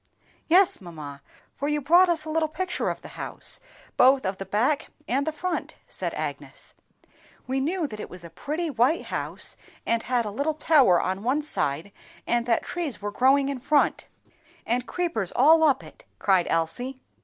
"Yes, mamma, for you brought us little pictures of the house, both of the back and the front," said Agnes. "We knew that it was a pretty white house, and had a little tower on one side, and that trees were growing in front, and creepers all up it!" cried Elsie.